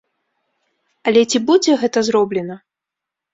Але ці будзе гэта зроблена?